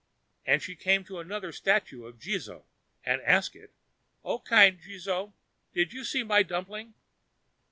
And she came to another statue of Jizō, and asked it: "O kind Jizō, did you see my dumpling?"